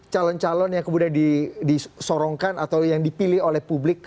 calon calon yang kemudian disorongkan atau yang dipilih oleh publik